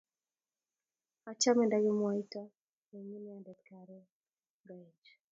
Achame ndakimwaitoo eng inendet karon ngoeche